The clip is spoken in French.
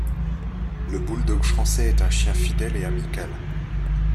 Le bouledogue français est un chien fidèle et amical.